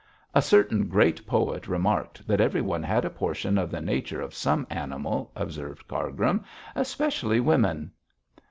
'A certain great poet remarked that everyone had a portion of the nature of some animal,' observed Cargrim, 'especially women.'